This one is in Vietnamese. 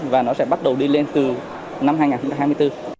và nó sẽ bắt đầu đi lên từ năm hai nghìn hai mươi bốn